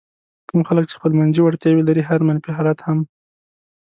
کوم خلک چې خپلمنځي وړتیاوې لري هر منفي حالت هم.